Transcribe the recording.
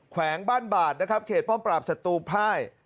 แขวงบ้านบาดนะครับเขตป้อมปราบศัตรูพ่าย